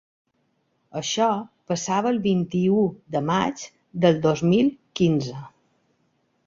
Això passava el vint-i-u de maig del dos mil quinze.